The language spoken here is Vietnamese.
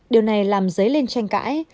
điều này làm dấy lên tranh cãi